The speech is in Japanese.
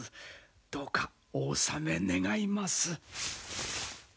どうかお納め願います。